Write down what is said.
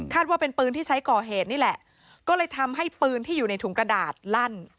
ว่าเป็นปืนที่ใช้ก่อเหตุนี่แหละก็เลยทำให้ปืนที่อยู่ในถุงกระดาษลั่น